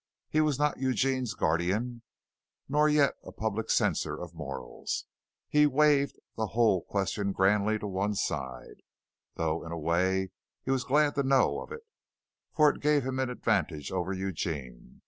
He was not Eugene's guardian, nor yet a public censor of morals. He waived the whole question grandly to one side, though in a way he was glad to know of it, for it gave him an advantage over Eugene.